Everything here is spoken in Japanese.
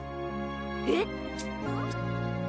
えっ！？